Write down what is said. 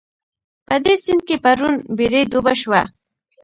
په دې سيند کې پرون بېړۍ ډوبه شوه